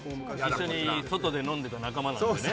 一緒に外で飲んでた仲間なんでね